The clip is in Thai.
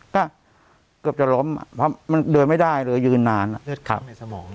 ก็เกือบจะล้มเพราะมันเดินไม่ได้เลยยืนนานเลือดขาดในสมอง